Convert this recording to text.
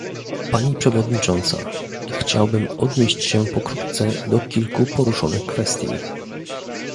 Pani przewodnicząca! chciałbym odnieść się pokrótce do kilku poruszonych kwestii